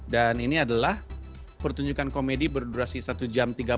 dan ini adalah pertunjukan komedi berdurasi satu jam tiga puluh